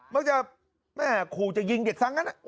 มักจะแม่ขู่จะยิงเด็กซังนั้น